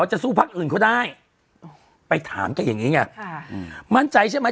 จะสู้พักอื่นเขาได้ไปถามกันอย่างนี้ไงค่ะอืมมั่นใจใช่ไหม